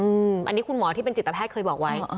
อันนี้คุณหมอที่เป็นจิตแพทย์เคยบอกไว้